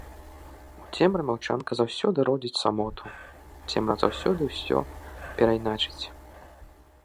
У цемры маўчанка заўсёды родзіць самоту, цемра заўсёды ўсё перайначыць.